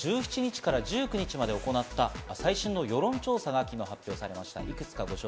続いてはＮＮＮと読売新聞が今月の１７日から１９日まで行った最新の世論調査が昨日発表されました。